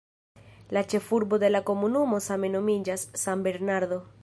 La ĉefurbo de la komunumo same nomiĝas "San Bernardo".